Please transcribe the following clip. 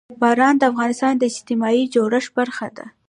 باران د افغانستان د اجتماعي جوړښت برخه ده.